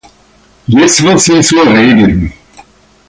Jetzt wird sie zur Regel.